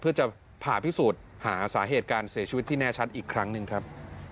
เพื่อจะผ่าพิสูจน์หาสาเหตุการเสียชีวิตที่แน่ชัดอีกครั้งหนึ่งครับ